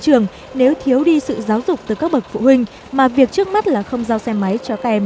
trường nếu thiếu đi sự giáo dục từ các bậc phụ huynh mà việc trước mắt là không giao xe máy cho các em